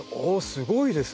すごいですね。